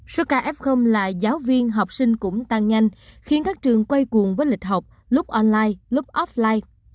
số ca f là giáo viên học sinh cũng tăng nhanh khiến các trường quay cuồng với lịch học lúc online lúc offline